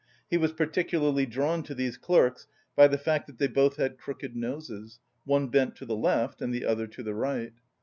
He was particularly drawn to these clerks by the fact that they both had crooked noses, one bent to the left and the other to the right.